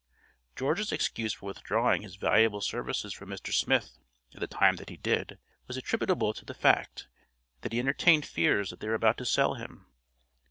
George's excuse for withdrawing his valuable services from Mr. Smith at the time that he did, was attributable to the fact, that he entertained fears that they were about to sell him.